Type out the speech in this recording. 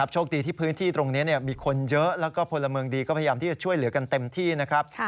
โชคดีที่พื้นที่ตรงนี้มีคนเยอะแล้วก็พลเมืองดีก็พยายามที่จะช่วยเหลือกันเต็มที่นะครับ